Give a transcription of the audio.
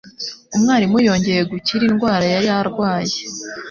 Umwarimu yongeye gukira indwara yari arwaye.